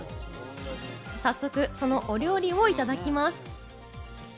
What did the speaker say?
早速、そのお料理をいただきます。